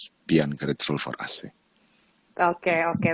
oke tinggal ke assalamualaikum kita prestasi depan semoga habis habis keras yay